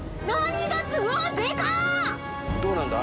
どうなんだ？